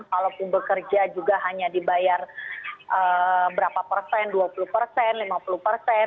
kalaupun bekerja juga hanya dibayar berapa persen dua puluh persen lima puluh persen